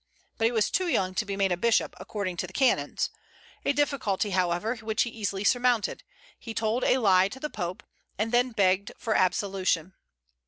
But he was too young to be made a bishop, according to the canons, a difficulty, however, which he easily surmounted: he told a lie to the Pope, and then begged for an absolution.